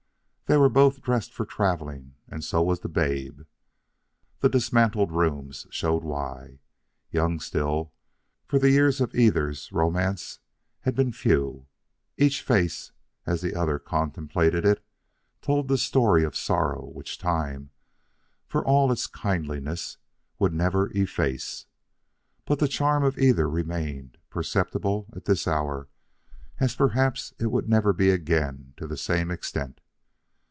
They were both dressed for traveling and so was the babe. The dismantled rooms showed why. Young still, for the years of either's romance had been few, each face, as the other contemplated it, told the story of sorrow which Time, for all its kindliness, would never efface. But the charm of either remained perceptible at this hour as perhaps it would never be again to the same extent.